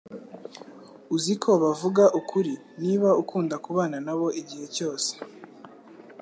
Uzi ko bavuga ukuri niba ukunda kubana nabo igihe cyose. ”